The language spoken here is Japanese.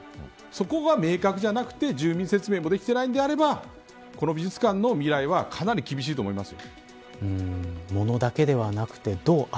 そこが明確じゃなくて住民説明もできていないのであればこの美術館の未来はかなり厳しいと思います。